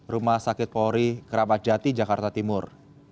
rumah sakit polri keramajati jakarta timur